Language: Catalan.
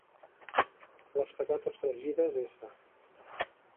Les patates fregides s